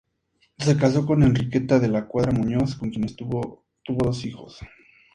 Se casó con Enriqueta de la Cuadra Muñoz, con quien tuvo dos hijos.